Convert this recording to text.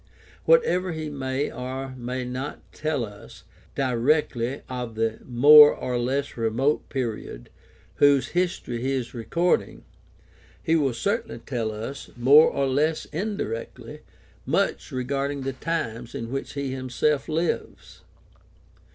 Whatever he may or may not tell us directly of the more or less remote period whose history he is recording, he will certainly tell us, more or less indirectly, much regarding the times in which he himself lives.